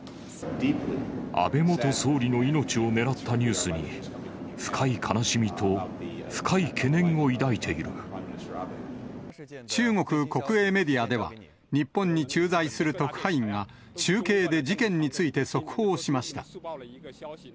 安倍元総理の命を狙ったニュースに深い悲しみと深い懸念を抱中国国営メディアでは、日本に駐在する特派員が、中継で事件について速報しました。